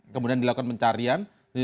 kemudian dilakukan pencarian